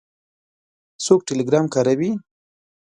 څوک ټیلیګرام کاروي؟